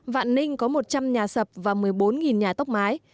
vạn ninh có một trăm linh nhà sập và một mươi bốn nhà tốc mái